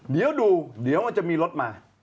เดี๋ยวดูเดี๋ยวมันจะมีรถมา